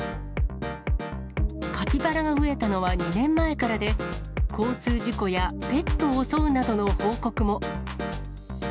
カピバラが増えたのは２年前からで、交通事故やペットを襲うなどの報告も。